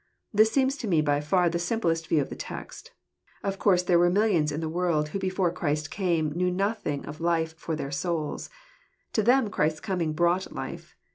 This seems to me by far the simplest view of the text. Of course there were millions in the world who before Christ came knew noth ing of life for their souls : to them Christ's coming brought " life."